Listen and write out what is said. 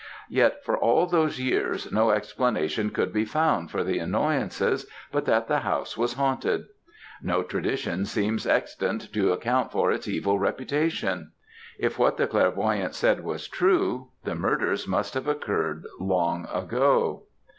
Yet, for all those years, no explanation could be found for the annonyances but that the house was haunted. No tradition seems extant to account for its evil reputation. If what the clairvoyante said was true, the murders must have occurred long ago.